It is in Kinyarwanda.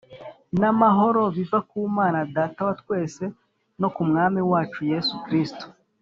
n’amahoro biva ku Mana Data wa twese, no ku Mwami wacu Yesu Kristo.